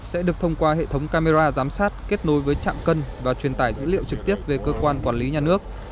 sẽ được thông qua hệ thống camera giám sát kết nối với chạm cân và truyền tải dữ liệu trực tiếp về cơ quan quản lý nhà nước